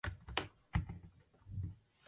胡璋剑杨帆潘羿捷移佳辰